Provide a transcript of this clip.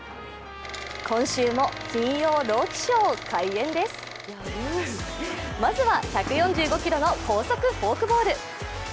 今週も金曜ロウキショー、開演ですまずは１４５キロの高速フォークボール。